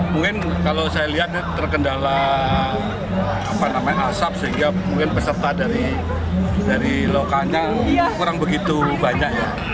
mungkin kalau saya lihat terkendala asap sehingga mungkin peserta dari lokanya kurang begitu banyak ya